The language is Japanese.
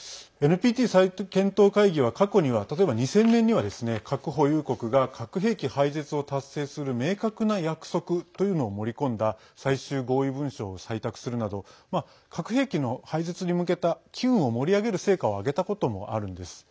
ＮＰＴ再検討会議は過去には例えば２０００年には核保有国が核兵器廃絶を達成する明確な約束というのを盛り込んだ最終合意文書を採択するなど核兵器の廃絶に向けた機運を盛り上げる成果を上げたこともあるんです。